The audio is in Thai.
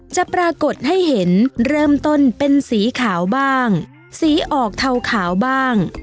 จะปรากฏให้เห็นเริ่มต้นเป็นสีขาวบ้างสีออกเทาขาวบ้าง